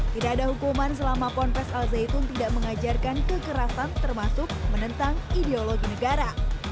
tidak ada hukuman selama ponpes al zaitun tidak mengajarkan kekerasan termasuk menentang ideologi negara